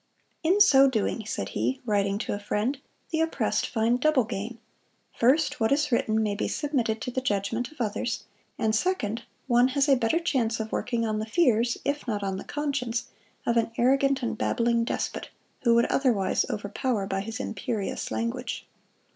"In so doing," said he, writing to a friend, "the oppressed find double gain; first, what is written may be submitted to the judgment of others; and second, one has a better chance of working on the fears, if not on the conscience, of an arrogant and babbling despot, who would otherwise overpower by his imperious language."